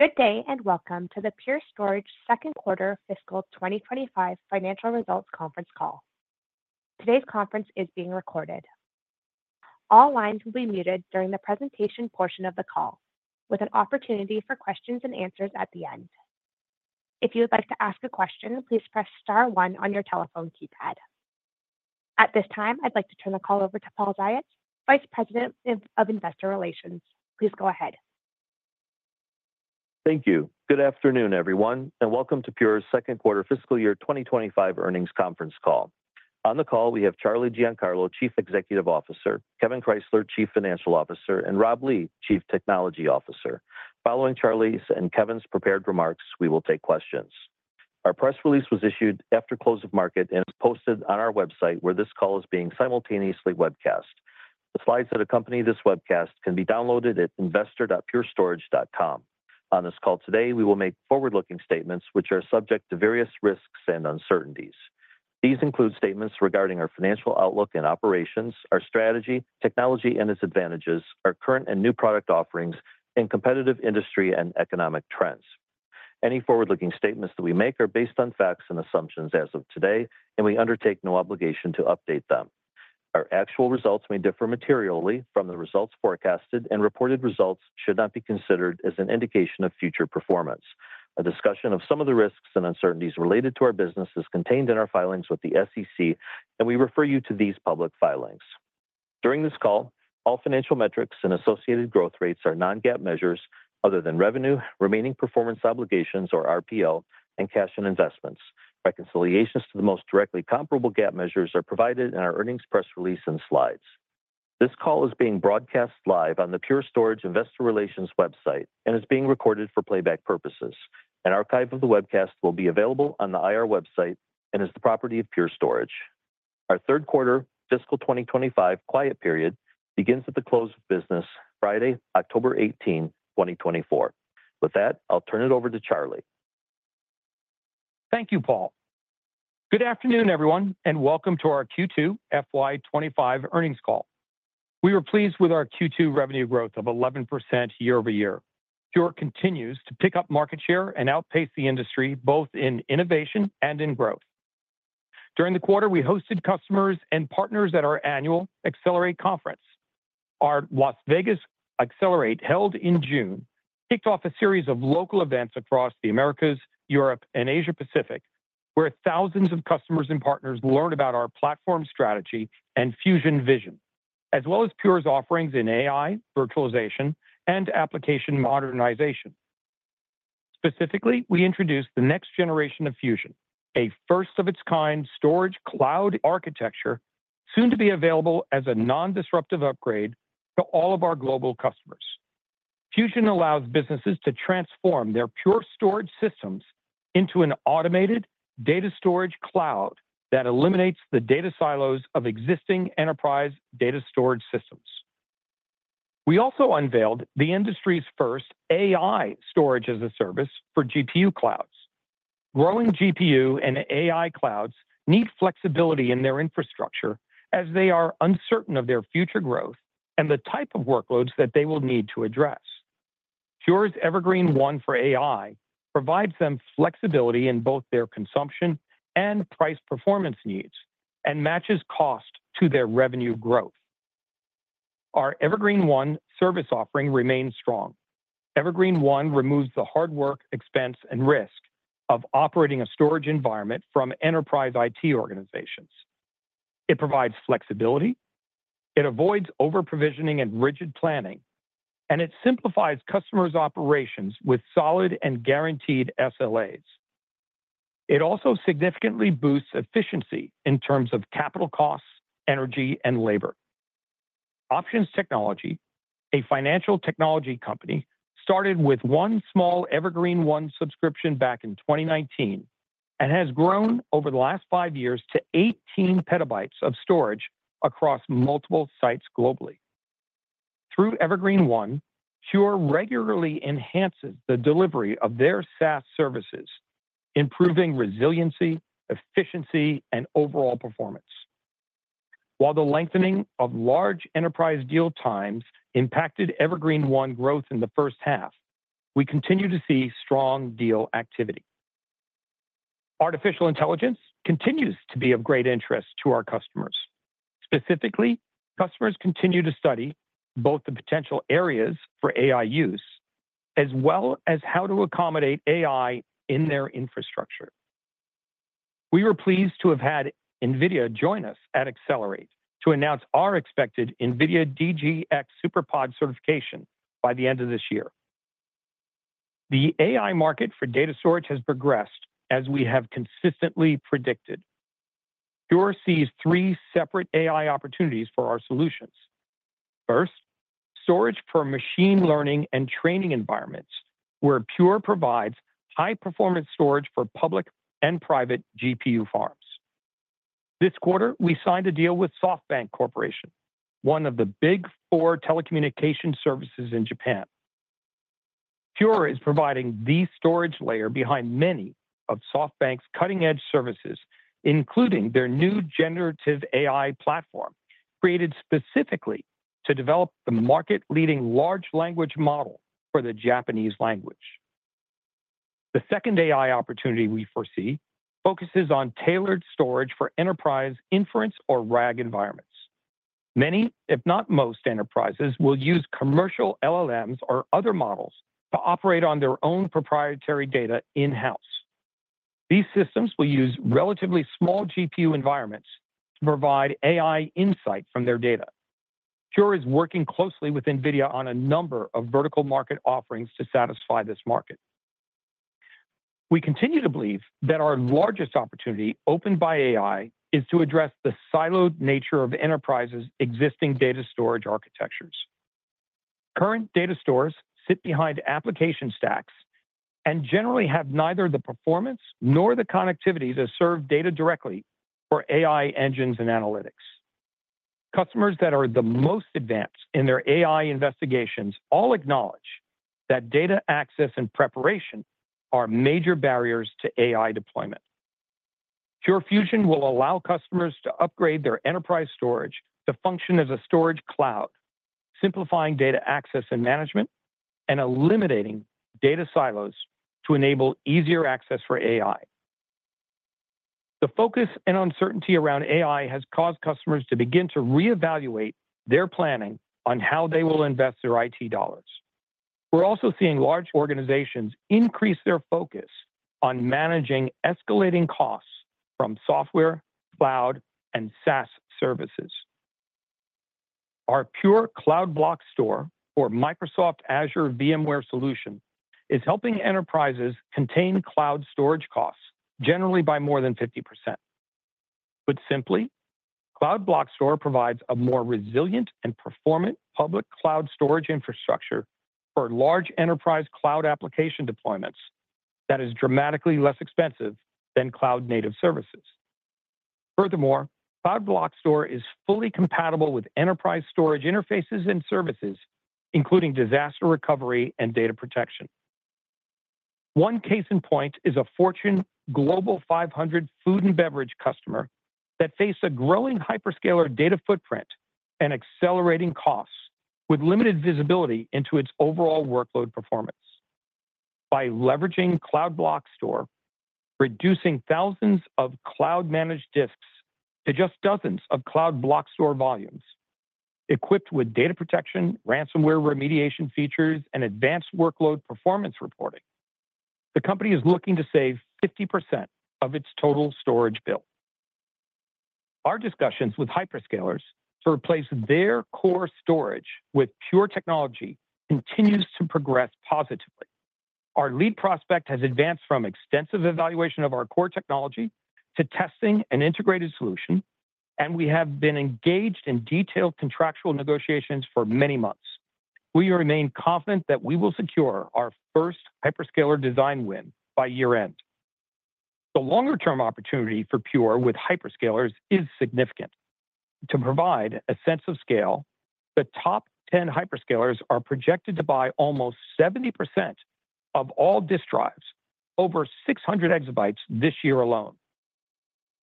Good day, and welcome to the Pure Storage second quarter fiscal 2025 financial results conference call. Today's conference is being recorded. All lines will be muted during the presentation portion of the call, with an opportunity for questions and answers at the end. If you would like to ask a question, please press star one on your telephone keypad. At this time, I'd like to turn the call over to Paul Ziots, Vice President of Investor Relations. Please go ahead. Thank you. Good afternoon, everyone, and welcome to Pure's second quarter fiscal year 2025 earnings conference call. On the call, we have Charlie Giancarlo, Chief Executive Officer, Kevan Krysler, Chief Financial Officer, and Rob Lee, Chief Technology Officer. Following Charlie's and Kevan's prepared remarks, we will take questions. Our press release was issued after close of market and is posted on our website, where this call is being simultaneously webcast. The slides that accompany this webcast can be downloaded at investor.purestorage.com. On this call today, we will make forward-looking statements which are subject to various risks and uncertainties. These include statements regarding our financial outlook and operations, our strategy, technology and its advantages, our current and new product offerings, and competitive industry and economic trends. Any forward-looking statements that we make are based on facts and assumptions as of today, and we undertake no obligation to update them. Our actual results may differ materially from the results forecasted, and reported results should not be considered as an indication of future performance. A discussion of some of the risks and uncertainties related to our business is contained in our filings with the SEC, and we refer you to these public filings. During this call, all financial metrics and associated growth rates are non-GAAP measures other than revenue, remaining performance obligations, or RPO, and cash and investments. Reconciliations to the most directly comparable GAAP measures are provided in our earnings press release and slides. This call is being broadcast live on the Pure Storage Investor Relations website and is being recorded for playback purposes. An archive of the webcast will be available on the IR website and is the property of Pure Storage. Our third quarter fiscal 2025 quiet period begins at the close of business, Friday, October 18, 2024. With that, I'll turn it over to Charlie. Thank you, Paul. Good afternoon, everyone, and welcome to our Q2 FY 2025 earnings call. We were pleased with our Q2 revenue growth of 11% year over year. Pure continues to pick up market share and outpace the industry, both in innovation and in growth. During the quarter, we hosted customers and partners at our annual Accelerate conference. Our Las Vegas Accelerate, held in June, kicked off a series of local events across the Americas, Europe, and Asia Pacific, where thousands of customers and partners learned about our platform strategy and fusion vision, as well as Pure's offerings in AI, virtualization, and application modernization. Specifically, we introduced the next generation of Fusion, a first-of-its-kind storage cloud architecture, soon to be available as a non-disruptive upgrade to all of our global customers. Fusion allows businesses to transform their Pure Storage systems into an automated data storage cloud that eliminates the data silos of existing enterprise data storage systems. We also unveiled the industry's first AI storage as a service for GPU clouds. Growing GPU and AI clouds need flexibility in their infrastructure as they are uncertain of their future growth and the type of workloads that they will need to address. Pure's Evergreen//One for AI provides them flexibility in both their consumption and price performance needs and matches cost to their revenue growth. Our Evergreen//One service offering remains strong. Evergreen//One removes the hard work, expense, and risk of operating a storage environment from enterprise IT organizations. It provides flexibility, it avoids overprovisioning and rigid planning, and it simplifies customers' operations with solid and guaranteed SLAs. It also significantly boosts efficiency in terms of capital costs, energy, and labor. Options Technology, a financial technology company, started with one small Evergreen//One subscription back in 2019 and has grown over the last five years to eighteen petabytes of storage across multiple sites globally. Through Evergreen//One, Pure regularly enhances the delivery of their SaaS services, improving resiliency, efficiency, and overall performance. While the lengthening of large enterprise deal times impacted Evergreen//One growth in the first half, we continue to see strong deal activity. Artificial intelligence continues to be of great interest to our customers. Specifically, customers continue to study both the potential areas for AI use as well as how to accommodate AI in their infrastructure. We were pleased to have had NVIDIA join us at Accelerate to announce our expected NVIDIA DGX SuperPOD certification by the end of this year. The AI market for data storage has progressed as we have consistently predicted. Pure sees three separate AI opportunities for our solutions. First, storage for machine learning and training environments, where Pure provides high-performance storage for public and private GPU farms. This quarter, we signed a deal with SoftBank Corporation, one of the big four telecommunications services in Japan. Pure is providing the storage layer behind many of SoftBank's cutting-edge services, including their new generative AI platform, created specifically to develop the market-leading large language model for the Japanese language. The second AI opportunity we foresee focuses on tailored storage for enterprise inference or RAG environments. Many, if not most enterprises, will use commercial LLMs or other models to operate on their own proprietary data in-house. These systems will use relatively small GPU environments to provide AI insight from their data. Pure is working closely with NVIDIA on a number of vertical market offerings to satisfy this market. We continue to believe that our largest opportunity opened by AI is to address the siloed nature of enterprises' existing data storage architectures. Current data stores sit behind application stacks and generally have neither the performance nor the connectivity to serve data directly for AI engines and analytics. Customers that are the most advanced in their AI investigations all acknowledge that data access and preparation are major barriers to AI deployment. Pure Fusion will allow customers to upgrade their enterprise storage to function as a storage cloud, simplifying data access and management, and eliminating data silos to enable easier access for AI. The focus and uncertainty around AI has caused customers to begin to reevaluate their planning on how they will invest their IT dollars. We're also seeing large organizations increase their focus on managing escalating costs from software, cloud, and SaaS services. Our Pure Cloud Block Store or Microsoft Azure VMware Solution is helping enterprises contain cloud storage costs, generally by more than 50%. Put simply, Cloud Block Store provides a more resilient and performant public cloud storage infrastructure for large enterprise cloud application deployments that is dramatically less expensive than cloud-native services. Furthermore, Cloud Block Store is fully compatible with enterprise storage interfaces and services, including disaster recovery and data protection. One case in point is a Fortune Global 500 food and beverage customer that faced a growing hyperscaler data footprint and accelerating costs, with limited visibility into its overall workload performance. By leveraging Cloud Block Store, reducing thousands of cloud-managed disks to just dozens of cloud block store volumes, equipped with data protection, ransomware remediation features, and advanced workload performance reporting, the company is looking to save 50% of its total storage bill. Our discussions with hyperscalers to replace their core storage with Pure technology continues to progress positively. Our lead prospect has advanced from extensive evaluation of our core technology to testing an integrated solution, and we have been engaged in detailed contractual negotiations for many months. We remain confident that we will secure our first hyperscaler design win by year-end. The longer-term opportunity for Pure with hyperscalers is significant. To provide a sense of scale, the top 10 hyperscalers are projected to buy almost 70% of all disk drives, over 600 exabytes this year alone.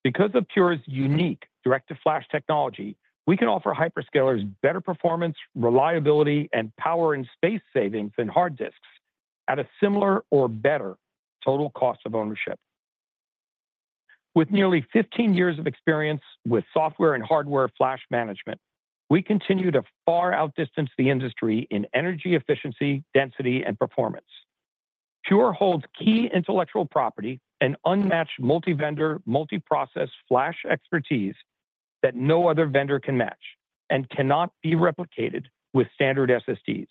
Because of Pure's unique DirectFlash technology, we can offer hyperscalers better performance, reliability, and power and space savings than hard disks at a similar or better total cost of ownership. With nearly fifteen years of experience with software and hardware flash management, we continue to far outdistance the industry in energy efficiency, density, and performance. Pure holds key intellectual property and unmatched multi-vendor, multi-process flash expertise that no other vendor can match and cannot be replicated with standard SSDs.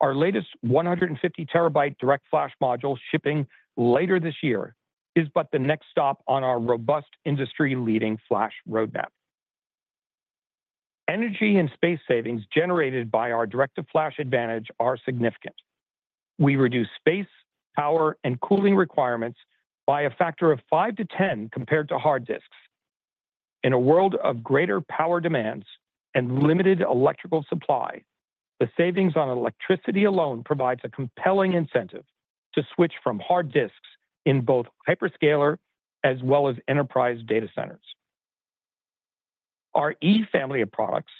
Our latest 150-terabyte DirectFlash Module, shipping later this year, is but the next stop on our robust industry-leading flash roadmap. Energy and space savings generated by our DirectFlash advantage are significant. We reduce space, power, and cooling requirements by a factor of 5 to 10 compared to hard disks. In a world of greater power demands and limited electrical supply, the savings on electricity alone provides a compelling incentive to switch from hard disks in both hyperscaler as well as enterprise data centers. Our //E family of products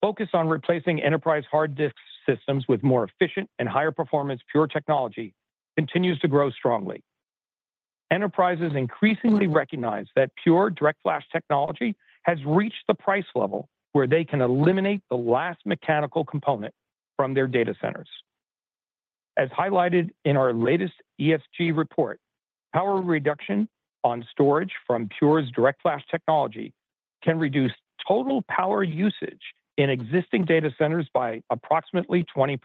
focus on replacing enterprise hard disk systems with more efficient and higher-performance Pure technology. It continues to grow strongly. Enterprises increasingly recognize that Pure DirectFlash technology has reached the price level where they can eliminate the last mechanical component from their data centers. As highlighted in our latest ESG report, power reduction on storage from Pure's DirectFlash technology can reduce total power usage in existing data centers by approximately 20%.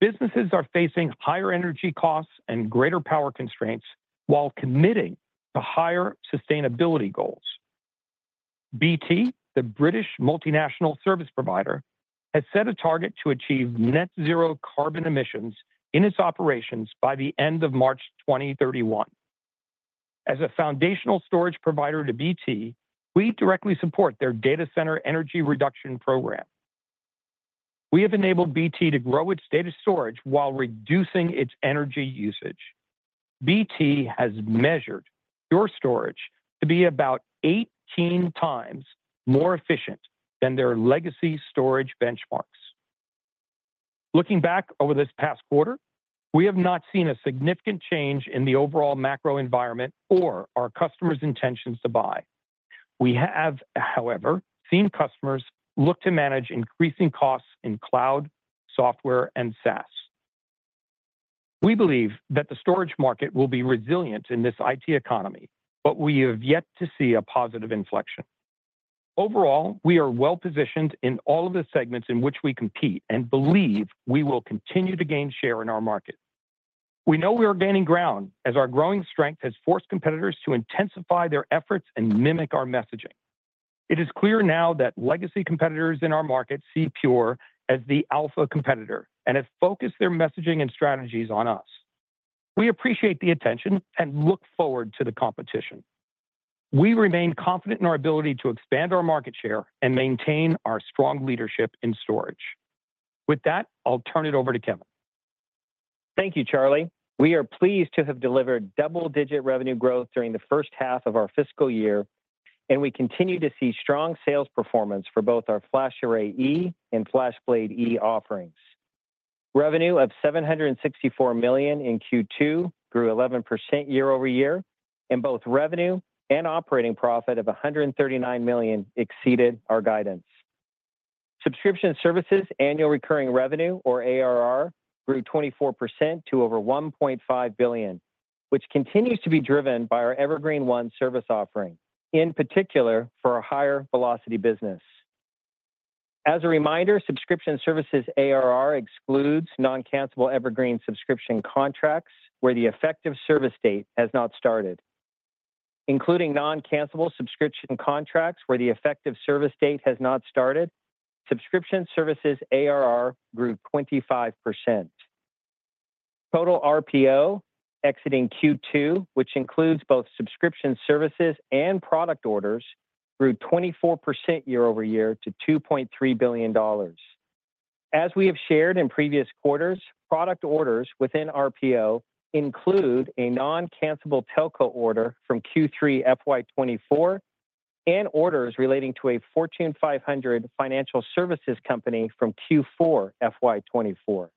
Businesses are facing higher energy costs and greater power constraints while committing to higher sustainability goals. BT, the British multinational service provider, has set a target to achieve net zero carbon emissions in its operations by the end of March 2031. As a foundational storage provider to BT, we directly support their data center energy reduction program. We have enabled BT to grow its data storage while reducing its energy usage. BT has measured Pure Storage to be about 18 times more efficient than their legacy storage benchmarks. Looking back over this past quarter, we have not seen a significant change in the overall macro environment or our customers' intentions to buy. We have, however, seen customers look to manage increasing costs in cloud, software, and SaaS. We believe that the storage market will be resilient in this IT economy, but we have yet to see a positive inflection. Overall, we are well-positioned in all of the segments in which we compete and believe we will continue to gain share in our market. We know we are gaining ground as our growing strength has forced competitors to intensify their efforts and mimic our messaging. It is clear now that legacy competitors in our market see Pure as the alpha competitor and have focused their messaging and strategies on us. We appreciate the attention and look forward to the competition. We remain confident in our ability to expand our market share and maintain our strong leadership in storage. With that, I'll turn it over to Kevan. Thank you, Charlie. We are pleased to have delivered double-digit revenue growth during the first half of our fiscal year, and we continue to see strong sales performance for both our FlashArray//E and FlashBlade//E offerings. Revenue of $764 million in Q2 grew 11% year over year, and both revenue and operating profit of $139 million exceeded our guidance. Subscription services, annual recurring revenue or ARR, grew 24% to over $1.5 billion, which continues to be driven by our Evergreen//One service offering, in particular for our higher Velocity business. As a reminder, subscription services ARR excludes non-cancelable Evergreen subscription contracts where the effective service date has not started. Including non-cancelable subscription contracts where the effective service date has not started, subscription services ARR grew 25%. Total RPO exiting Q2, which includes both subscription services and product orders, grew 24% year over year to $2.3 billion. As we have shared in previous quarters, product orders within RPO include a non-cancelable telco order from Q3 FY 2024 and orders relating to a Fortune 500 financial services company from Q4 FY 2024.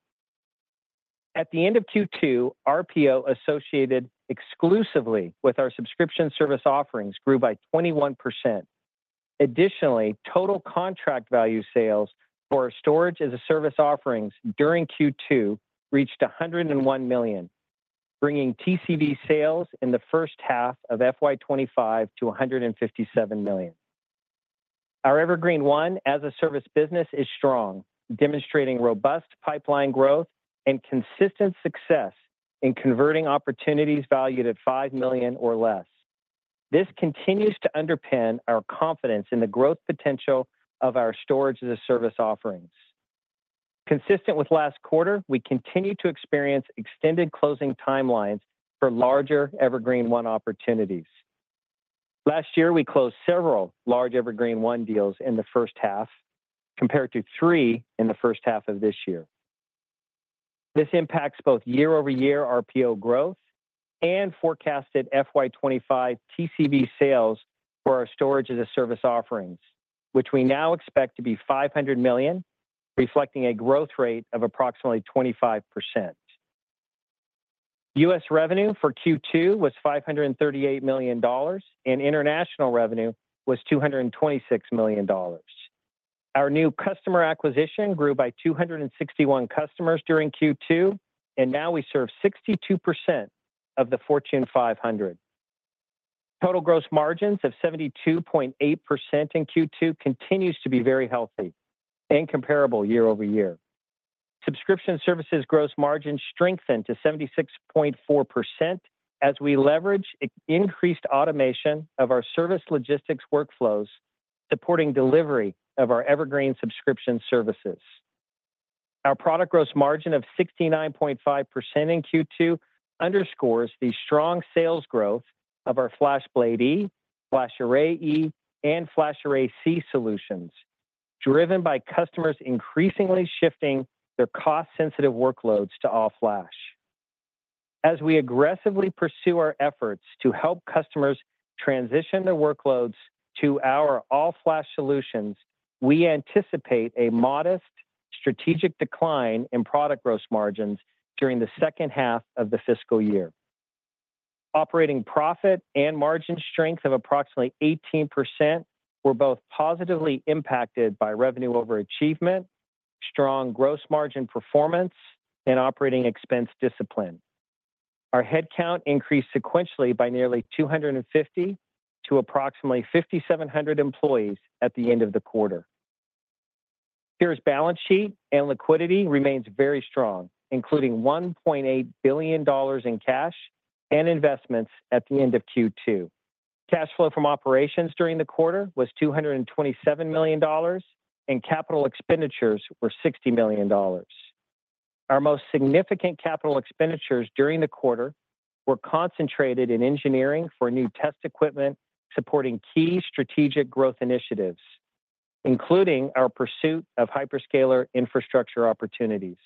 At the end of Q2, RPO associated exclusively with our subscription service offerings grew by 21%. Additionally, total contract value sales for our storage-as-a-service offerings during Q2 reached $101 million, bringing TCV sales in the first half of FY 2025 to $157 million. Our Evergreen//One as a service business is strong, demonstrating robust pipeline growth and consistent success in converting opportunities valued at $5 million or less. This continues to underpin our confidence in the growth potential of our storage-as-a-service offerings. Consistent with last quarter, we continue to experience extended closing timelines for larger Evergreen//One opportunities. Last year, we closed several large Evergreen//One deals in the first half, compared to three in the first half of this year. This impacts both year-over-year RPO growth and forecasted FY 2025 TCV sales for our storage-as-a-service offerings, which we now expect to be $500 million, reflecting a growth rate of approximately 25%. U.S. revenue for Q2 was $538 million, and international revenue was $226 million. Our new customer acquisition grew by 261 customers during Q2, and now we serve 62% of the Fortune 500. Total gross margins of 72.8% in Q2 continues to be very healthy and comparable year-over-year. Subscription services gross margin strengthened to 76.4% as we leverage increased automation of our service logistics workflows, supporting delivery of our Evergreen subscription services. Our product gross margin of 69.5% in Q2 underscores the strong sales growth of our FlashBlade//E, FlashArray//E, and FlashArray//C solutions, driven by customers increasingly shifting their cost-sensitive workloads to all-flash. As we aggressively pursue our efforts to help customers transition their workloads to our all-flash solutions, we anticipate a modest strategic decline in product gross margins during the second half of the fiscal year. Operating profit and margin strength of approximately 18% were both positively impacted by revenue overachievement, strong gross margin performance, and operating expense discipline. Our headcount increased sequentially by nearly 250 to approximately 5,700 employees at the end of the quarter. Pure's balance sheet and liquidity remains very strong, including $1.8 billion in cash and investments at the end of Q2. Cash flow from operations during the quarter was $227 million, and capital expenditures were $60 million. Our most significant capital expenditures during the quarter were concentrated in engineering for new test equipment, supporting key strategic growth initiatives, including our pursuit of hyperscaler infrastructure opportunities.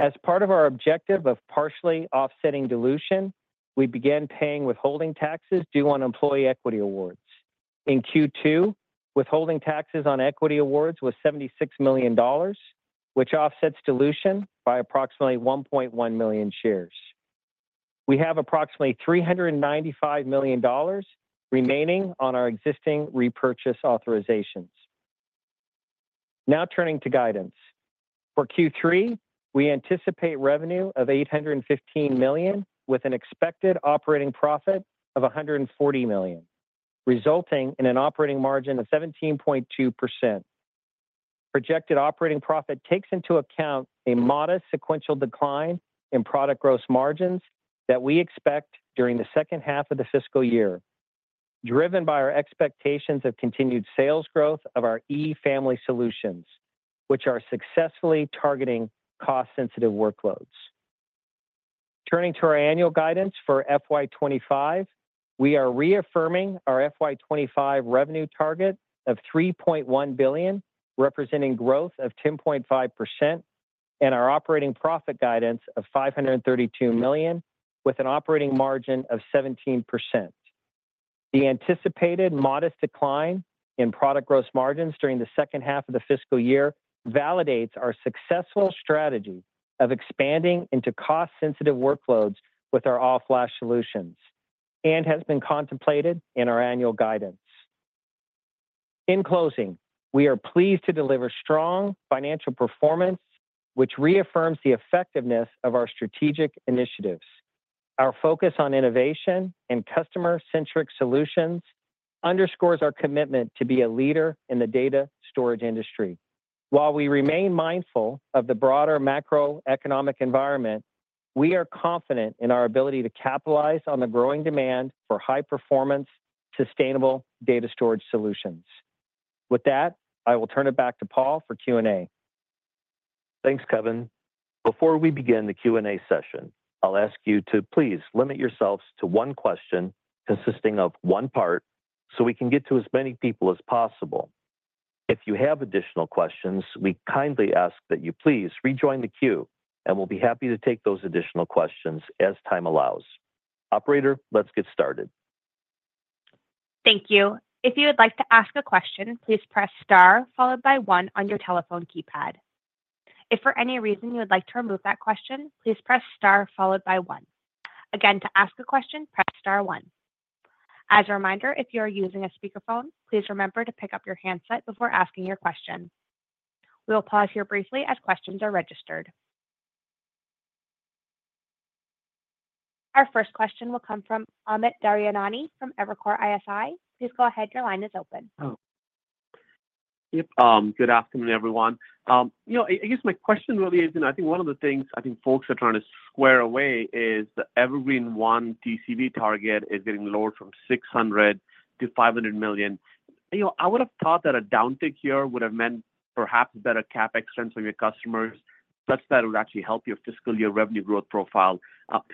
As part of our objective of partially offsetting dilution, we began paying withholding taxes due on employee equity awards. In Q2, withholding taxes on equity awards was $76 million, which offsets dilution by approximately 1.1 million shares. We have approximately $395 million remaining on our existing repurchase authorizations. Now, turning to guidance. For Q3, we anticipate revenue of $815 million, with an expected operating profit of $140 million, resulting in an operating margin of 17.2%. Projected operating profit takes into account a modest sequential decline in product gross margins that we expect during the second half of the fiscal year, driven by our expectations of continued sales growth of our //E family solutions, which are successfully targeting cost-sensitive workloads. Turning to our annual guidance for FY 2025, we are reaffirming our FY 2025 revenue target of $3.1 billion, representing growth of 10.5%, and our operating profit guidance of $532 million, with an operating margin of 17%. The anticipated modest decline in product gross margins during the second half of the fiscal year validates our successful strategy of expanding into cost-sensitive workloads with our all-flash solutions, and has been contemplated in our annual guidance. In closing, we are pleased to deliver strong financial performance, which reaffirms the effectiveness of our strategic initiatives. Our focus on innovation and customer-centric solutions underscores our commitment to be a leader in the data storage industry. While we remain mindful of the broader macroeconomic environment, we are confident in our ability to capitalize on the growing demand for high performance, sustainable data storage solutions. With that, I will turn it back to Paul for Q&A. Thanks, Kevan. Before we begin the Q&A session, I'll ask you to please limit yourselves to one question consisting of one part, so we can get to as many people as possible. If you have additional questions, we kindly ask that you please rejoin the queue, and we'll be happy to take those additional questions as time allows. Operator, let's get started. Thank you. If you would like to ask a question, please press star followed by one on your telephone keypad. If for any reason you would like to remove that question, please press star followed by one. Again, to ask a question, press star one. As a reminder, if you are using a speakerphone, please remember to pick up your handset before asking your question. We will pause here briefly as questions are registered. Our first question will come from Amit Daryanani from Evercore ISI. Please go ahead, your line is open. Yep, good afternoon, everyone. You know, I guess my question really is, and I think one of the things I think folks are trying to square away is the Evergreen//One TCV target is getting lowered from $600 million to $500 million. You know, I would have thought that a downtick here would have meant perhaps better CapEx trends from your customers, such that it would actually help your fiscal year revenue growth profile.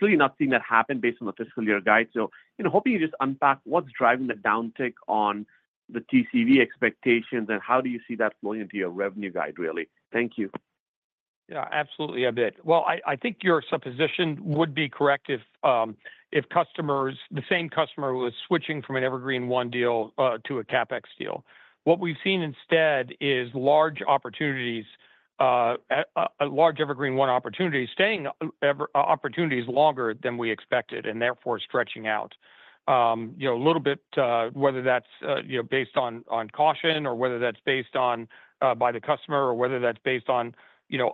Clearly nothing that happened based on the fiscal year guide. So, you know, hoping you just unpack what's driving the downtick on the TCV expectations, and how do you see that flowing into your revenue guide, really? Thank you. Yeah, absolutely, Amit. Well, I think your supposition would be correct if customers, the same customer who was switching from an Evergreen//One deal to a CapEx deal. What we've seen instead is large opportunities, large Evergreen//One opportunities, staying Evergreen//One opportunities longer than we expected, and therefore stretching out. You know, a little bit, whether that's based on caution, or whether that's based on by the customer, or whether that's based on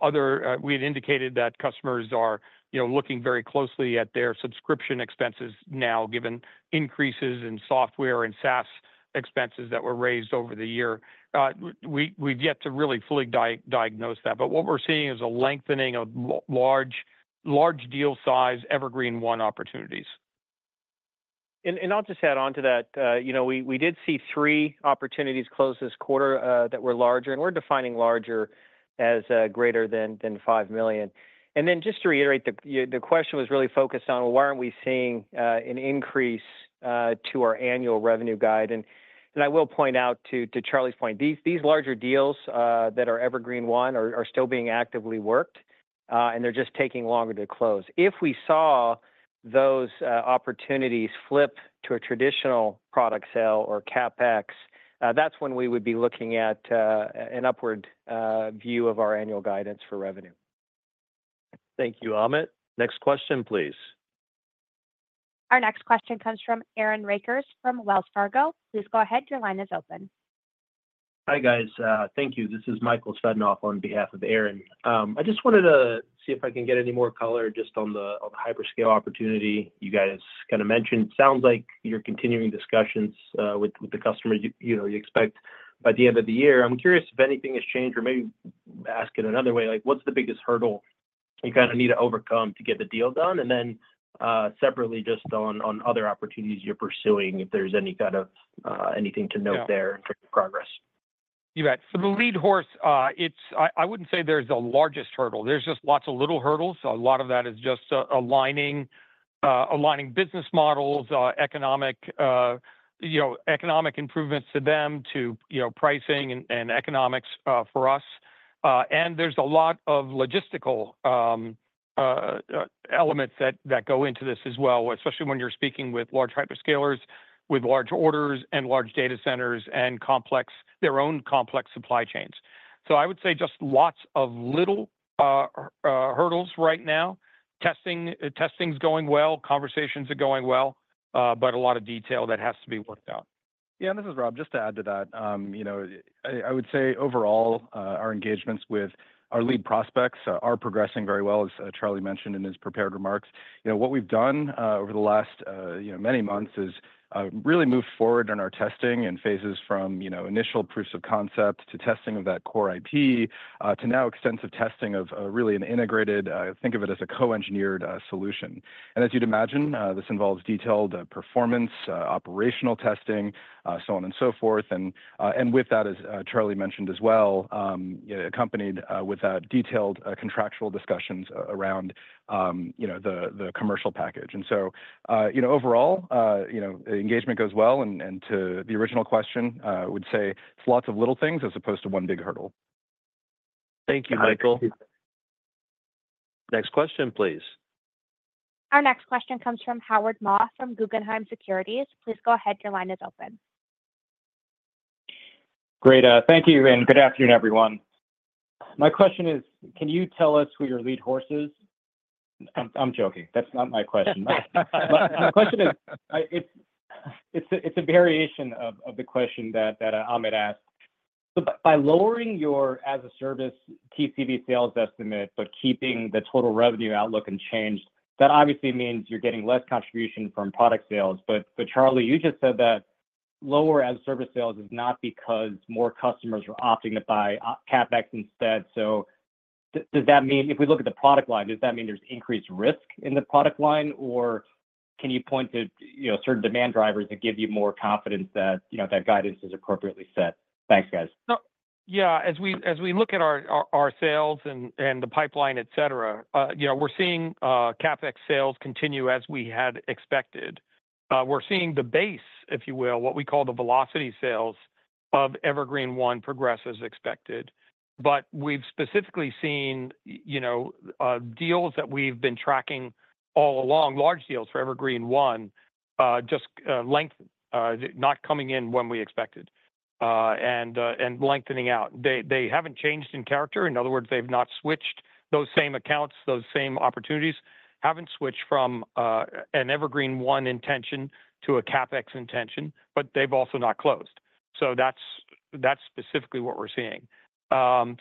other. We had indicated that customers are, you know, looking very closely at their subscription expenses now, given increases in software and SaaS expenses that were raised over the year. We've yet to really fully diagnose that, but what we're seeing is a lengthening of large deal size Evergreen//One opportunities. I'll just add on to that. You know, we did see three opportunities close this quarter that were larger, and we're defining larger as greater than five million. Then just to reiterate, the question was really focused on why aren't we seeing an increase to our annual revenue guide. I will point out to Charlie's point, these larger deals that are Evergreen//One are still being actively worked, and they're just taking longer to close. If we saw those opportunities flip to a traditional product sale or CapEx, that's when we would be looking at an upward view of our annual guidance for revenue. Thank you, Amit. Next question, please. Our next question comes from Aaron Rakers from Wells Fargo. Please go ahead, your line is open. Hi, guys. Thank you. This is Michael Sutton on behalf of Aaron. I just wanted to see if I can get any more color just on the hyperscale opportunity you guys kinda mentioned. Sounds like you're continuing discussions with the customer, you know, you expect by the end of the year. I'm curious if anything has changed, or maybe ask it another way, like, what's the biggest hurdle you kind of need to overcome to get the deal done? Then, separately, just on other opportunities you're pursuing, if there's any kind of anything to note there in terms of progress. Yeah. You bet. The lead horse, it is. I wouldn't say there's the largest hurdle. There's just lots of little hurdles. A lot of that is just aligning business models, economic you know economic improvements to them, to you know pricing and economics for us. And there's a lot of logistical elements that go into this as well, especially when you're speaking with large hyperscalers, with large orders and large data centers, and complex their own complex supply chains. I would say just lots of little hurdles right now. Testing's going well, conversations are going well, but a lot of detail that has to be worked out. Yeah, this is Rob. Just to add to that, you know, I would say overall, our engagements with our lead prospects are progressing very well, as Charlie mentioned in his prepared remarks. You know, what we've done over the last, you know, many months is really move forward on our testing and phases from, you know, initial proofs of concept to testing of that core IP, to now extensive testing of really an integrated, think of it as a co-engineered solution. As you'd imagine, this involves detailed performance operational testing, so on and so forth. With that, as Charlie mentioned as well, you know, accompanied with detailed contractual discussions around, you know, the commercial package. You know, overall, you know, engagement goes well, and to the original question, I would say it's lots of little things as opposed to one big hurdle. Thank you, Michael. Next question, please. Our next question comes from Howard Ma from Guggenheim Securities. Please go ahead, your line is open. Great. Thank you, and good afternoon, everyone. My question is, can you tell us who your lead horse is? I'm joking, that's not my question. But my question is, it's a variation of the question that Amit asked. By lowering your as-a-service TPV sales estimate, but keeping the total revenue outlook unchanged, that obviously means you're getting less contribution from product sales. But Charlie, you just said that lower as-a-service sales is not because more customers are opting to buy CapEx instead. Does that mean if we look at the product line, does that mean there's increased risk in the product line? Or can you point to, you know, certain demand drivers that give you more confidence that, you know, that guidance is appropriately set? Thanks, guys. Yeah, as we look at our sales and the pipeline, et cetera, you know, we're seeing CapEx sales continue as we had expected. We're seeing the base, if you will, what we call the Velocity sales of Evergreen//One, progress as expected. But we've specifically seen, you know, deals that we've been tracking all along, large deals for Evergreen//One, just not coming in when we expected, and lengthening out. They haven't changed in character. In other words, they've not switched those same accounts, those same opportunities, haven't switched from an Evergreen//One intention to a CapEx intention, but they've also not closed. That's specifically what we're seeing. You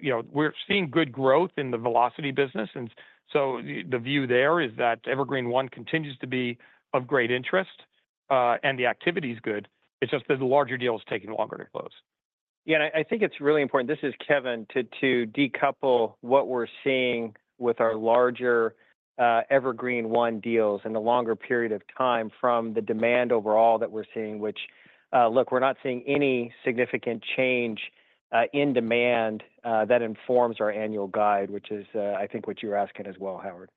know, we're seeing good growth in the Velocity business, and so the view there is that Evergreen//One continues to be of great interest, and the activity is good. It's just that the larger deal is taking longer to close. Yeah, and I think it's really important, this is Kevan, to decouple what we're seeing with our larger Evergreen//One deals and the longer period of time from the demand overall that we're seeing, which, look, we're not seeing any significant change in demand that informs our annual guide, which is, I think what you're asking as well, Howard.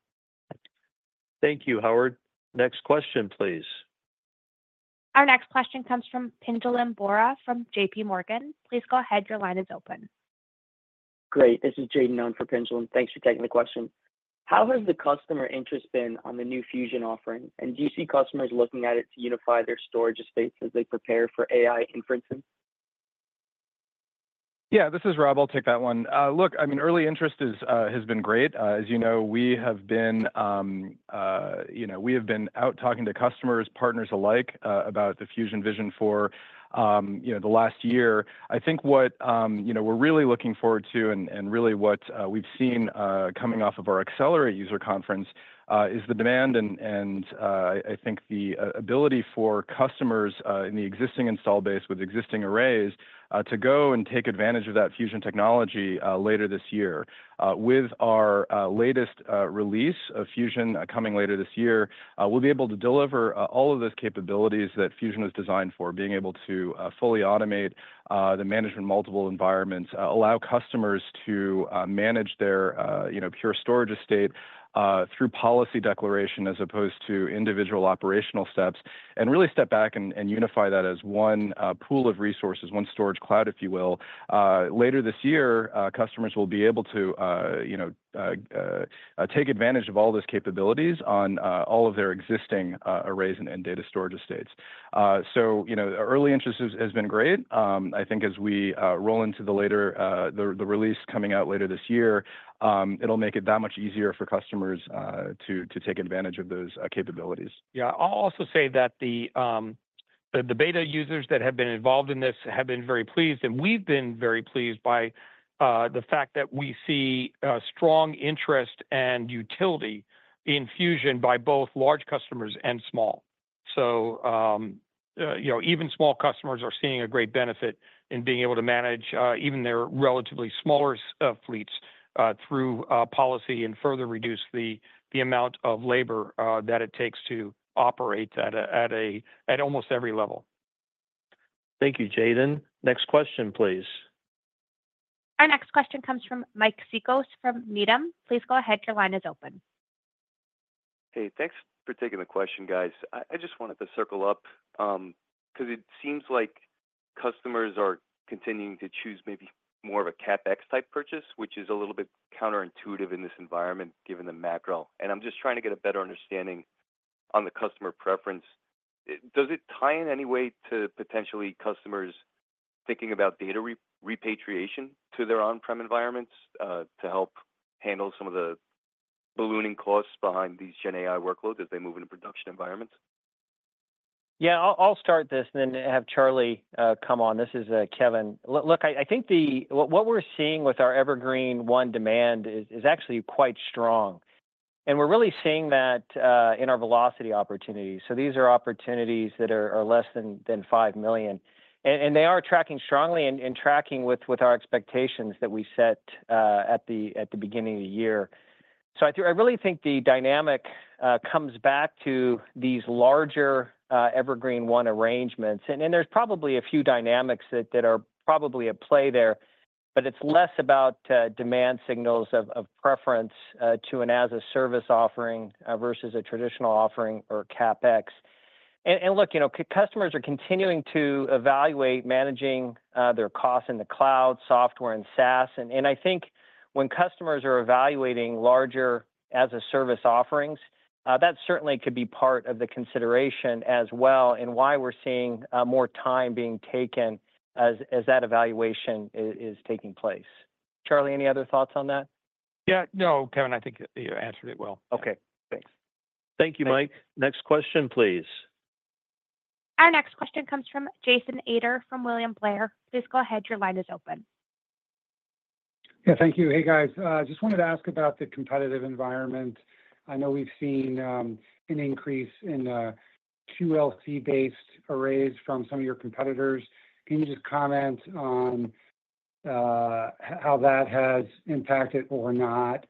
Thank you, Howard. Next question, please. Our next question comes from Pinjalim Bora from J.P. Morgan. Please go ahead, your line is open. Great. This is Jaden on for Pinjalim. Thanks for taking the question. How has the customer interest been on the new Fusion offering, and do you see customers looking at it to unify their storage estate as they prepare for AI inferencing? Yeah, this is Rob. I'll take that one. Look, I mean, early interest has been great. As you know, we have been out talking to customers, partners alike, about the Fusion vision for, you know, the last year. I think what, you know, we're really looking forward to and really what we've seen, coming off of our Accelerate user conference, is the demand and I think the ability for customers in the existing install base with existing arrays to go and take advantage of that Fusion technology later this year. With our latest release of Fusion coming later this year, we'll be able to deliver all of the capabilities that Fusion is designed for. Being able to fully automate the management multiple environments allow customers to manage their you know Pure Storage estate through policy declaration as opposed to individual operational steps, and really step back and unify that as one pool of resources, one storage cloud, if you will. Later this year, customers will be able to you know take advantage of all those capabilities on all of their existing arrays and data storage estates. You know, early interest has been great. I think as we roll into the later the release coming out later this year, it'll make it that much easier for customers to take advantage of those capabilities. Yeah. I'll also say that the beta users that have been involved in this have been very pleased, and we've been very pleased by the fact that we see strong interest and utility in Fusion by both large customers and small. You know, even small customers are seeing a great benefit in being able to manage even their relatively smaller fleets through policy and further reduce the amount of labor that it takes to operate at almost every level. Thank you, Jaden. Next question, please. Our next question comes from Mike Cikos from Needham. Please go ahead, your line is open. Hey, thanks for taking the question, guys. I just wanted to circle up, 'cause it seems like customers are continuing to choose maybe more of a CapEx type purchase, which is a little bit counterintuitive in this environment, given the macro. I'm just trying to get a better understanding on the customer preference. Does it tie in any way to potentially customers thinking about data repatriation to their on-prem environments, to help handle some of the ballooning costs behind these Gen AI workloads as they move into production environments? Yeah, I'll start this and then have Charlie come on. This is Kevan. Look, I think the what we're seeing with our Evergreen//One demand is actually quite strong, and we're really seeing that in our Velocity opportunities. These are opportunities that are less than five million. And they are tracking strongly and tracking with our expectations that we set at the beginning of the year. I really think the dynamic comes back to these larger Evergreen//One arrangements. And then there's probably a few dynamics that are probably at play there, but it's less about demand signals of preference to an as-a-service offering versus a traditional offering or CapEx. Look, you know, customers are continuing to evaluate managing their costs in the cloud, software, and SaaS. I think when customers are evaluating larger as-a-service offerings, that certainly could be part of the consideration as well, and why we're seeing more time being taken as that evaluation is taking place. Charlie, any other thoughts on that? Yeah. No, Kevan, I think you answered it well. Okay. Thanks. Thank you, Mike. Next question, please. Our next question comes from Jason Ader from William Blair. Please go ahead, your line is open. Yeah, thank you. Hey, guys, just wanted to ask about the competitive environment. I know we've seen an increase in QLC-based arrays from some of your competitors. Can you just comment on how that has impacted or not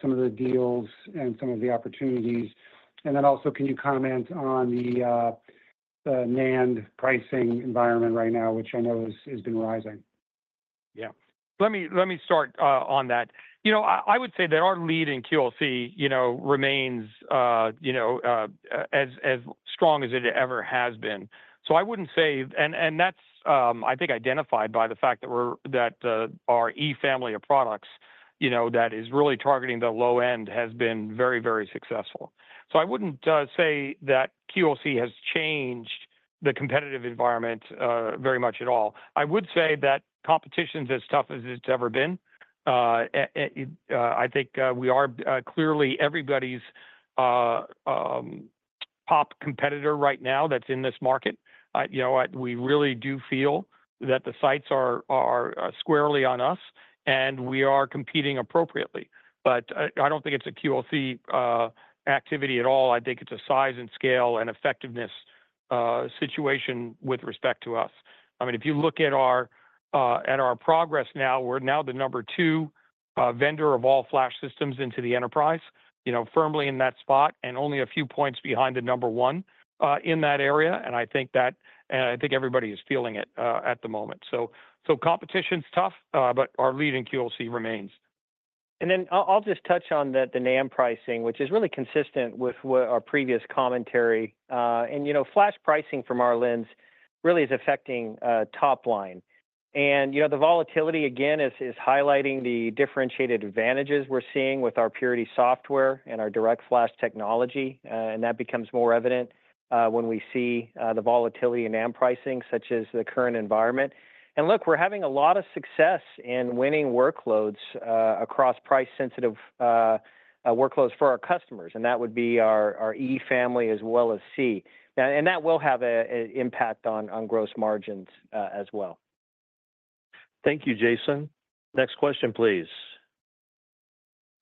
some of the deals and some of the opportunities? And then also, can you comment on the NAND pricing environment right now, which I know has been rising? Yeah. Let me start on that. You know, I would say that our lead in QLC you know remains as strong as it ever has been. I wouldn't say...and that's, I think, identified by the fact that //E family of products you know that is really targeting the low end has been very, very successful. I wouldn't say that QLC has changed the competitive environment very much at all. I would say that competition's as tough as it's ever been. I think we are clearly everybody's top competitor right now that's in this market. You know what? We really do feel that the sights are squarely on us, and we are competing appropriately. But I don't think it's a QLC activity at all. I think it's a size and scale and effectiveness situation with respect to us. I mean, if you look at our at our progress now, we're now the number two vendor of all flash systems into the enterprise, you know, firmly in that spot, and only a few points behind the number one in that area, and I think that I think everybody is feeling it at the moment. Competition's tough, but our lead in QLC remains. Then I'll just touch on the NAND pricing, which is really consistent with what our previous commentary. You know, flash pricing from our lens really is affecting top line. You know, the volatility again is highlighting the differentiated advantages we're seeing with our Purity software and our DirectFlash technology. That becomes more evident when we see the volatility in NAND pricing, such as the current environment. Look, we're having a lot of success in winning workloads across price-sensitive workloads for our customers, and that would be //E family as well as C. That will have a impact on gross margins as well. Thank you, Jason. Next question, please.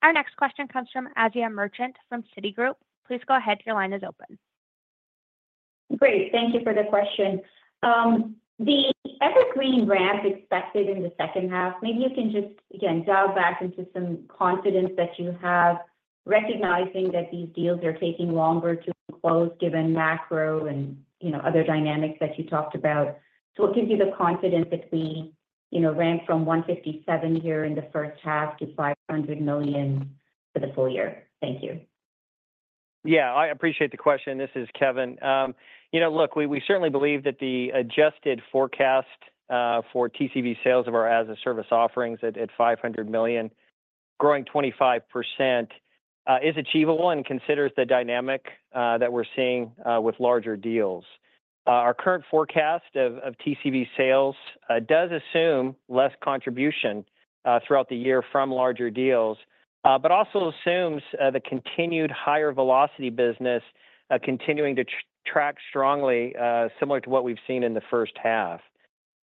Our next question comes from Asiya Merchant from Citigroup. Please go ahead, your line is open. Great. Thank you for the question. The Evergreen ramp expected in the second half, maybe you can just, again, dial back into some confidence that you have, recognizing that these deals are taking longer to close, given macro and, you know, other dynamics that you talked about. What gives you the confidence that we, you know, ramp from $157 million here in the first half to $500 million for the full year? Thank you. Yeah, I appreciate the question. This is Kevan. You know, look, we certainly believe that the adjusted forecast for TCV sales of our as-a-service offerings at $500 million, growing 25%, is achievable and considers the dynamic that we're seeing with larger deals. Our current forecast of TCV sales does assume less contribution throughout the year from larger deals, but also assumes the continued higher Velocity business continuing to track strongly, similar to what we've seen in the first half.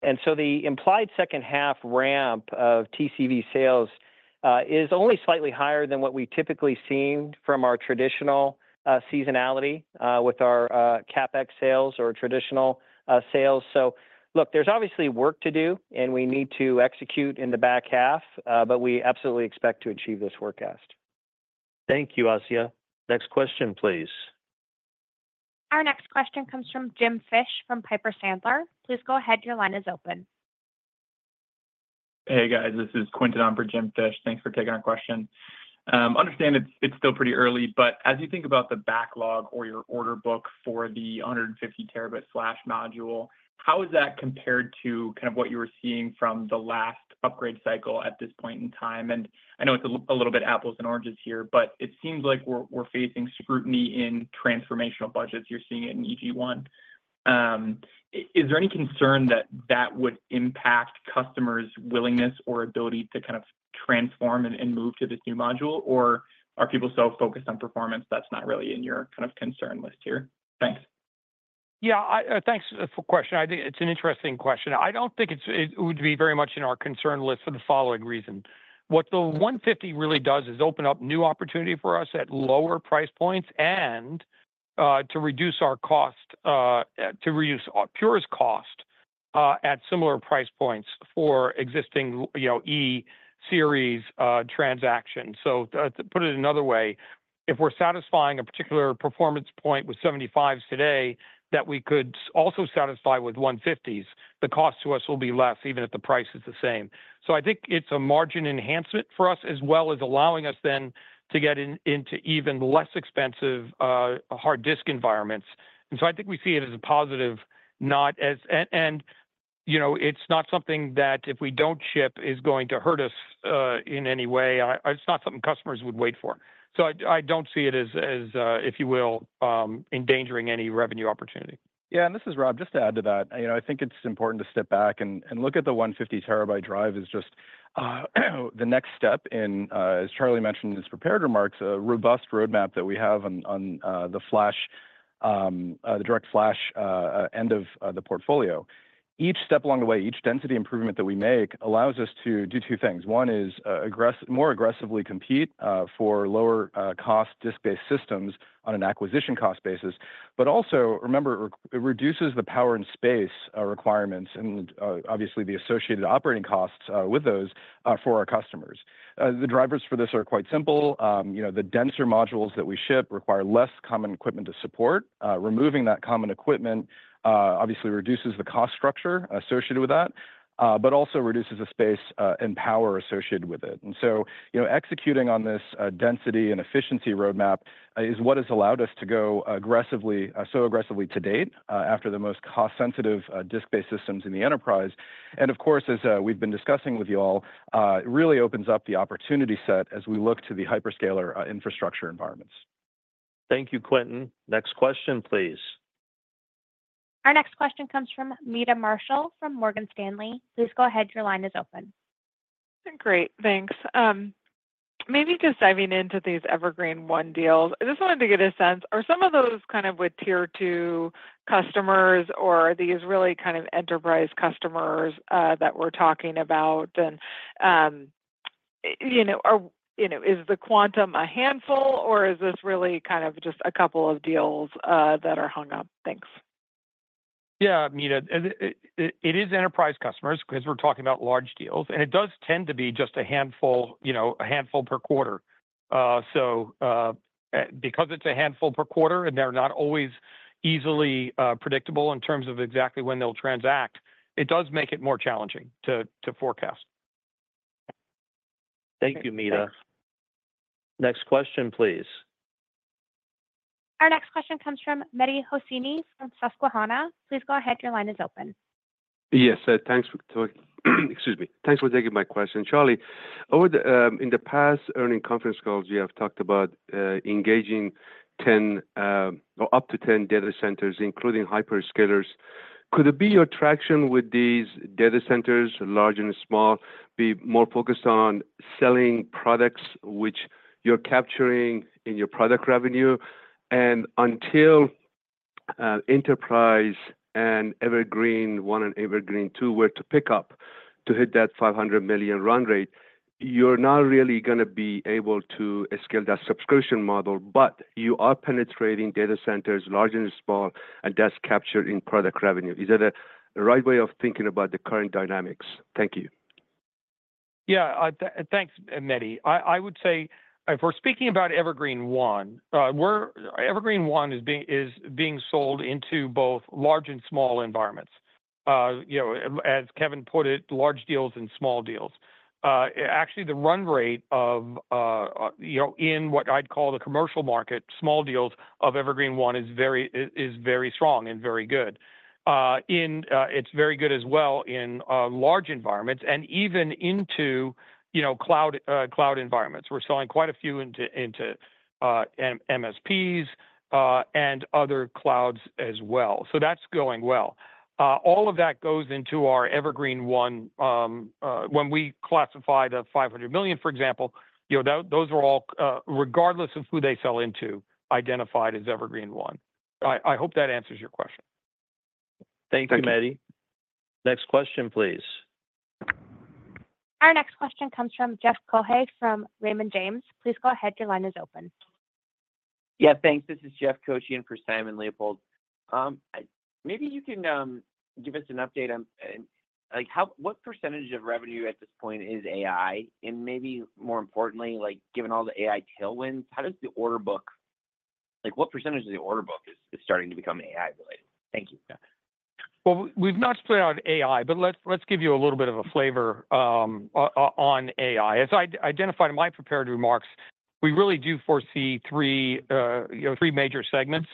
The implied second half ramp of TCV sales is only slightly higher than what we typically seen from our traditional seasonality with our CapEx sales or traditional sales. Look, there's obviously work to do, and we need to execute in the back half, but we absolutely expect to achieve this forecast. Thank you, Asiya. Next question, please. Our next question comes from Jim Fish from Piper Sandler. Please go ahead. Your line is open. Hey, guys, this is Quinton on for Jim Fish. Thanks for taking our question. Understand it's still pretty early, but as you think about the backlog or your order book for the 150-terabyte flash module, how is that compared to kind of what you were seeing from the last upgrade cycle at this point in time? And I know it's a little bit apples and oranges here, but it seems like we're facing scrutiny in transformational budgets. You're seeing it in EG1. Is there any concern that that would impact customers' willingness or ability to kind of transform and move to this new module, or are people so focused on performance that's not really in your kind of concern list here? Thanks. Yeah, thanks for the question. I think it's an interesting question. I don't think it would be very much in our concern list for the following reason. What the 150 really does is open up new opportunity for us at lower price points and to reduce our Pure's cost at similar price points for existing, you know, //E series transaction. To put it another way, if we're satisfying a particular performance point with 75s today, that we could also satisfy with 150s, the cost to us will be less, even if the price is the same. I think it's a margin enhancement for us, as well as allowing us then to get into even less expensive hard disk environments. I think we see it as a positive, not as... You know, it's not something that if we don't ship is going to hurt us in any way. It's not something customers would wait for. I don't see it as if you will endangering any revenue opportunity. Yeah, and this is Rob. Just to add to that, you know, I think it's important to step back and look at the 150 terabyte drive is just the next step in, as Charlie mentioned in his prepared remarks, a robust roadmap that we have on the flash, the direct flash end of the portfolio. Each step along the way, each density improvement that we make allows us to do two things. One is more aggressively compete for lower cost disk-based systems on an acquisition cost basis. But also, remember, it reduces the power and space requirements and obviously, the associated operating costs with those for our customers. The drivers for this are quite simple. You know, the denser modules that we ship require less common equipment to support. Removing that common equipment obviously reduces the cost structure associated with that, but also reduces the space and power associated with it. Executing on this density and efficiency roadmap is what has allowed us to go aggressively, so aggressively to date, after the most cost-sensitive disk-based systems in the enterprise. Of course, as we've been discussing with you all, it really opens up the opportunity set as we look to the hyperscaler infrastructure environments. Thank you, Quinton. Next question, please. Our next question comes from Meta Marshall from Morgan Stanley. Please go ahead. Your line is open. Great. Thanks. Maybe just diving into these Evergreen//One deals, I just wanted to get a sense, are some of those kind of with tier two customers or are these really kind of enterprise customers that we're talking about? You know, is the quantum a handful or is this really kind of just a couple of deals that are hung up? Thanks. Yeah, Meta, it is enterprise customers because we're talking about large deals, and it does tend to be just a handful, you know, a handful per quarter. Because it's a handful per quarter, and they're not always easily predictable in terms of exactly when they'll transact, it does make it more challenging to forecast. Thank you, Meta. Next question, please. Our next question comes from Mehdi Hosseini from Susquehanna. Please go ahead. Your line is open. Yes, thanks for taking my question. Charlie, in the past earnings conference calls, you have talked about engaging ten or up to ten data centers, including hyperscalers. Could it be your traction with these data centers, large and small, be more focused on selling products which you're capturing in your product revenue? Until Enterprise and Evergreen one and Evergreen two were to pick up to hit that five hundred million run rate, you're not really gonna be able to scale that subscription model, but you are penetrating data centers, large and small, and that's captured in product revenue. Is that a right way of thinking about the current dynamics? Thank you. Yeah, thanks, Mehdi. I would say if we're speaking about Evergreen//One, Evergreen//One is being sold into both large and small environments. You know, as Kevan put it, large deals and small deals. Actually, the run rate of, you know, in what I'd call the commercial market, small deals of Evergreen//One is very strong and very good. It's very good as well in large environments and even into, you know, cloud environments. We're selling quite a few into MSPs and other clouds as well. That's going well. All of that goes into our Evergreen//One. When we classified a $500 million, for example, you know, those are all, regardless of who they sell into, identified as Evergreen//One. I hope that answers your question. Thank you. Thank you, Mehdi. Next question, please. Our next question comes from [Jeff Cohea] from Raymond James. Please go ahead, your line is open. Yeah, thanks. This is [Jeff Cohea] in for Simon Leopold. Maybe you can give us an update on, like, how... what percentage of revenue at this point is AI? And maybe more importantly, like, given all the AI tailwinds, how does the order book... Like, what percentage of the order book is starting to become AI related? Thank you. We've not split out AI, but let's give you a little bit of a flavor on AI. As I identified in my prepared remarks, we really do foresee three, you know, three major segments,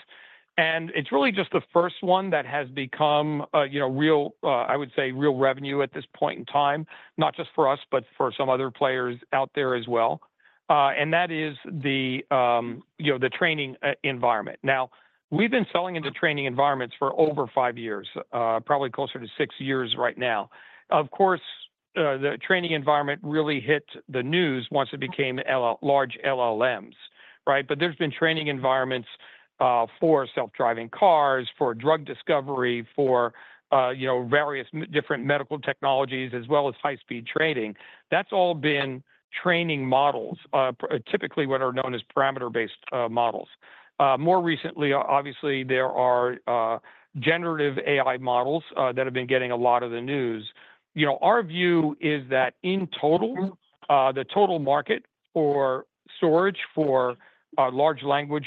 and it's really just the first one that has become, you know, real, I would say, real revenue at this point in time, not just for us, but for some other players out there as well. That is the, you know, the training environment. Now, we've been selling into training environments for over five years, probably closer to six years right now. Of course, the training environment really hit the news once it became large LLMs, right? But there's been training environments for self-driving cars, for drug discovery, for, you know, various different medical technologies, as well as high-speed trading. That's all been training models, typically what are known as parameter-based models. More recently, obviously, there are generative AI models that have been getting a lot of the news. You know, our view is that in total, the total market for storage, for large language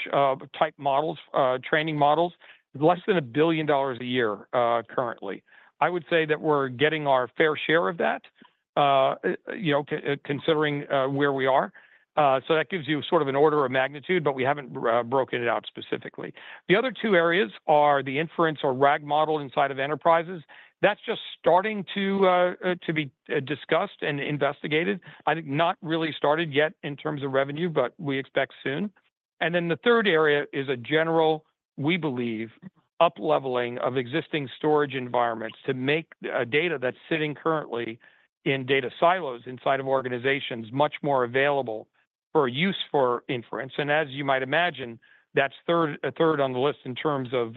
type models, training models, less than $1 billion a year, currently. I would say that we're getting our fair share of that, you know, considering where we are. That gives you sort of an order of magnitude, but we haven't broken it out specifically. The other two areas are the inference or RAG model inside of enterprises. That's just starting to be discussed and investigated, I think not really started yet in terms of revenue, but we expect soon. Then the third area is a general, we believe, upleveling of existing storage environments to make data that's sitting currently in data silos inside of organizations much more available for use for inference. As you might imagine, that's third, a third on the list in terms of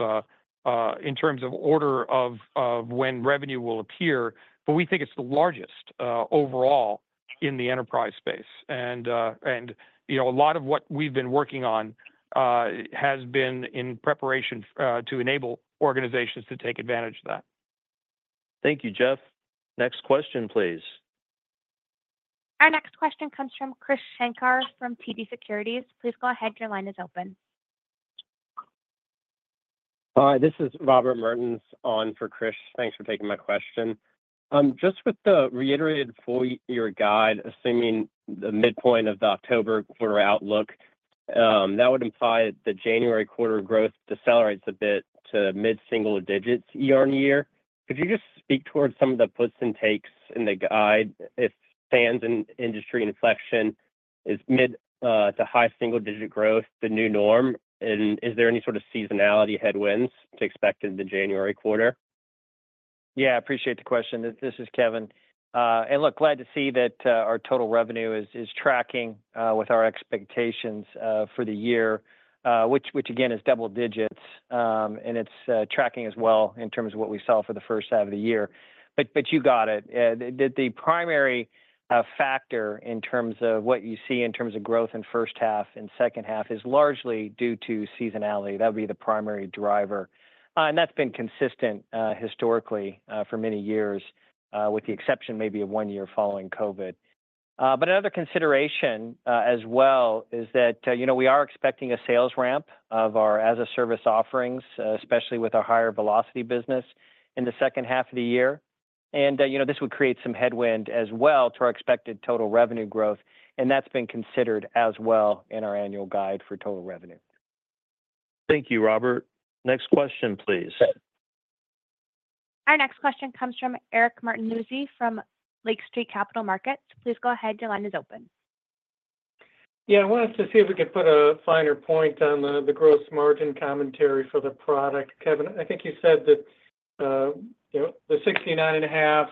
order of when revenue will appear, but we think it's the largest overall in the enterprise space. You know, a lot of what we've been working on has been in preparation to enable organizations to take advantage of that. Thank you, Jeff. Next question, please. Our next question comes from Kris Shankar from TD Securities. Please go ahead, your line is open. Hi, this is Robert Mertens on for Kris. Thanks for taking my question. Just with the reiterated full year guide, assuming the midpoint of the October quarter outlook, that would imply that January quarter growth decelerates a bit to mid-single digits year on year. Could you just speak towards some of the puts and takes in the guide if fans and industry inflection is mid to high single digit growth, the new norm? Is there any sort of seasonality headwinds to expect in the January quarter? Yeah, I appreciate the question. This is Kevan. Look, glad to see that our total revenue is tracking with our expectations for the year, which again is double digits, and it's tracking as well in terms of what we saw for the first half of the year. But you got it. The primary factor in terms of what you see in terms of growth in first half and second half is largely due to seasonality. That would be the primary driver, and that's been consistent historically for many years with the exception maybe of one year following COVID. But another consideration, as well, is that, you know, we are expecting a sales ramp of our as-a-service offerings, especially with our higher Velocity business in the second half of the year. You know, this would create some headwind as well to our expected total revenue growth, and that's been considered as well in our annual guide for total revenue. Thank you, Robert. Next question, please. Our next question comes from Eric Martinuzzi from Lake Street Capital Markets. Please go ahead, your line is open. Yeah, I wanted to see if we could put a finer point on the gross margin commentary for the product. Kevan, I think you said that, you know, the 69.5%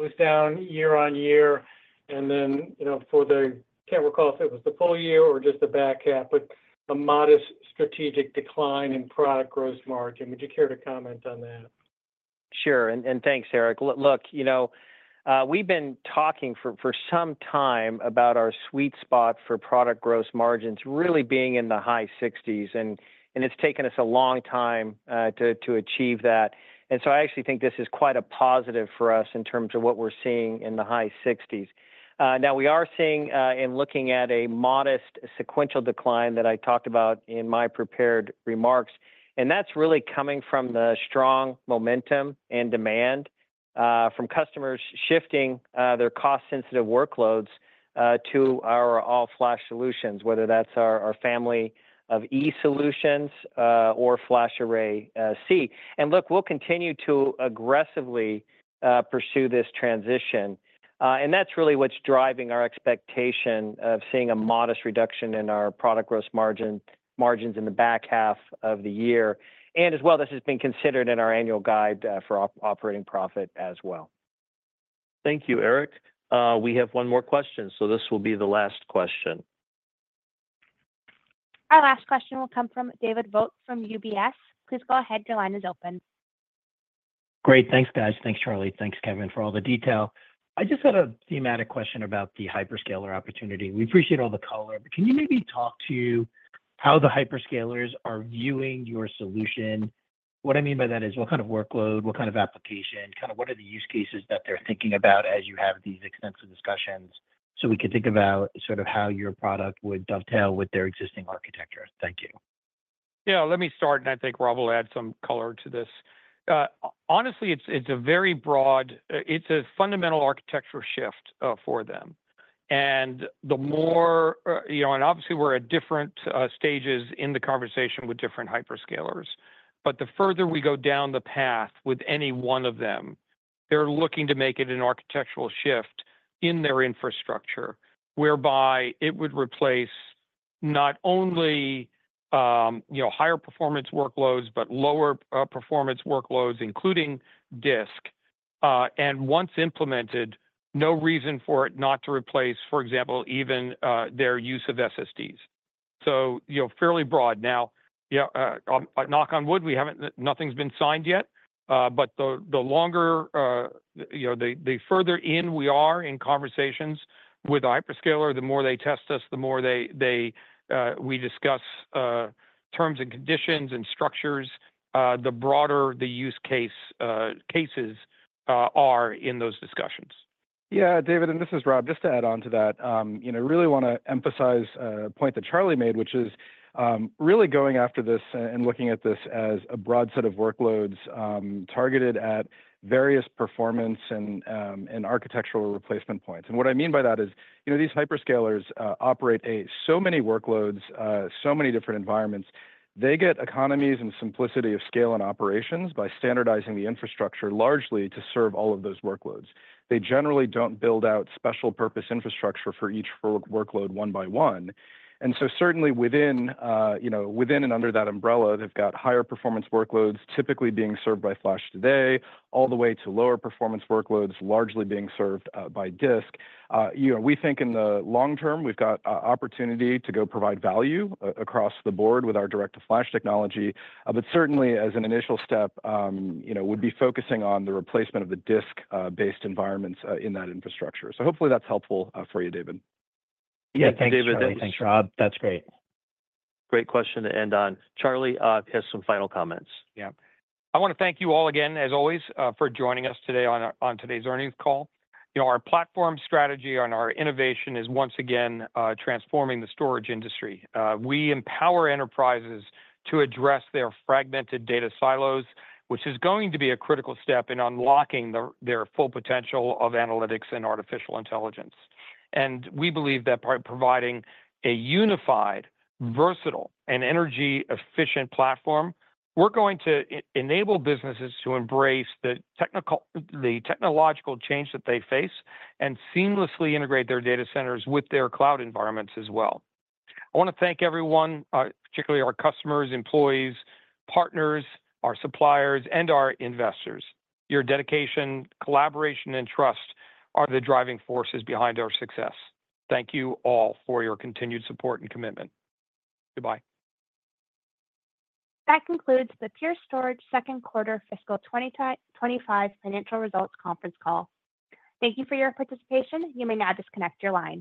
was down year on year, and then, you know, for the... I can't recall if it was the full year or just the back half, but a modest strategic decline in product gross margin. Would you care to comment on that? Sure, and thanks, Eric. Look, you know, we've been talking for some time about our sweet spot for product gross margins really being in the high sixties, and it's taken us a long time to achieve that. I actually think this is quite a positive for us in terms of what we're seeing in the high sixties. Now we are seeing in looking at a modest sequential decline that I talked about in my prepared remarks, and that's really coming from the strong momentum and demand from customers shifting their cost-sensitive workloads to our all-flash solutions, whether that's our family of //E solutions or FlashArray//C. Look, we'll continue to aggressively pursue this transition, and that's really what's driving our expectation of seeing a modest reduction in our product gross margins in the back half of the year. As well, this has been considered in our annual guide for operating profit as well. Thank you, Eric. We have one more question, so this will be the last question. Our last question will come from David Vogt from UBS. Please go ahead, your line is open. Great. Thanks, guys. Thanks, Charlie. Thanks, Kevan, for all the detail. I just had a thematic question about the hyperscaler opportunity. We appreciate all the color, but can you maybe talk to how the hyperscalers are viewing your solution? What I mean by that is, what kind of workload, what kind of application, kind of what are the use cases that they're thinking about as you have these extensive discussions, so we can think about sort of how your product would dovetail with their existing architecture? Thank you. Yeah, let me start, and I think Rob will add some color to this. Honestly, it's a very broad, it's a fundamental architectural shift for them. The more, you know, and obviously we're at different stages in the conversation with different hyperscalers, but the further we go down the path with any one of them, they're looking to make it an architectural shift in their infrastructure, whereby it would replace not only, you know, higher performance workloads, but lower performance workloads, including disk. And once implemented, no reason for it not to replace, for example, even their use of SSDs. You know, fairly broad. Now, yeah, knock on wood, nothing's been signed yet, but the longer, you know, the further in we are in conversations with a hyperscaler, the more they test us, the more we discuss terms and conditions and structures, the broader the use cases are in those discussions. Yeah, David, and this is Rob. Just to add on to that, you know, I really wanna emphasize a point that Charlie made, which is really going after this and looking at this as a broad set of workloads targeted at various performance and architectural replacement points. What I mean by that is, you know, these hyperscalers operate so many workloads, so many different environments. They get economies and simplicity of scale and operations by standardizing the infrastructure largely to serve all of those workloads. They generally don't build out special-purpose infrastructure for each workload one by one. Certainly within, you know, within and under that umbrella, they've got higher performance workloads, typically being served by flash today, all the way to lower performance workloads, largely being served by disk. You know, we think in the long term, we've got a opportunity to go provide value across the board with our DirectFlash technology, but certainly as an initial step, you know, would be focusing on the replacement of the disk-based environments in that infrastructure. Hopefully that's helpful for you, David. Yeah, thanks, Charlie. Thanks, Rob. That's great. Great question to end on. Charlie, has some final comments. Yeah. I wanna thank you all again, as always, for joining us today on today's earnings call. You know, our platform strategy and our innovation is once again transforming the storage industry. We empower enterprises to address their fragmented data silos, which is going to be a critical step in unlocking their full potential of analytics and artificial intelligence. We believe that by providing a unified, versatile, and energy-efficient platform, we're going to enable businesses to embrace the technological change that they face and seamlessly integrate their data centers with their cloud environments as well. I wanna thank everyone, particularly our customers, employees, partners, our suppliers, and our investors. Your dedication, collaboration, and trust are the driving forces behind our success. Thank you all for your continued support and commitment. Goodbye. That concludes the Pure Storage second quarter 2025 financial results conference call. Thank you for your participation. You may now disconnect your lines.